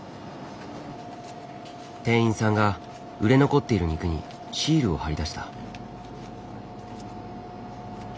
店員さんが売れ残っている肉にシールを貼りだした。